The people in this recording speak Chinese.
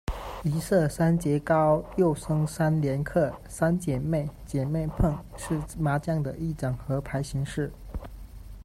一色三节高，又称三连刻，三姐妹、姐妹碰，是麻将的一种和牌形式。